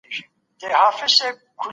هر کتاب د کارپوهانو له خوا ارزول کېږي.